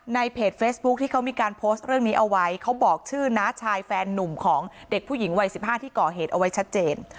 เพจเฟซบุ๊คที่เขามีการโพสต์เรื่องนี้เอาไว้เขาบอกชื่อน้าชายแฟนนุ่มของเด็กผู้หญิงวัย๑๕ที่ก่อเหตุเอาไว้ชัดเจน